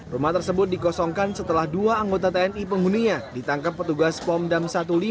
rumah tersebut dikosongkan setelah dua anggota tni penghuninya ditangkap petugas pom dam satu ratus lima